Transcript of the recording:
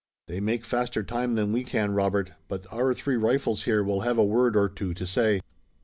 They make faster time than we can, Robert, but our three rifles here will have a word or two to say."